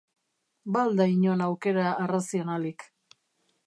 Ba al da inon aukera arrazionalik?